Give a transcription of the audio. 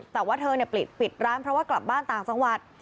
แต่ว่าเธอปิดร้านเพราะว่ากลับบ้านต่างจังหวัด